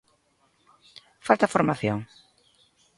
Falta formación?